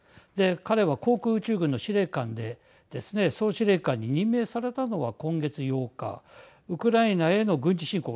彼は航空宇宙軍の司令官で総司令官に任命されたのは今月８日ウクライナへの軍事侵攻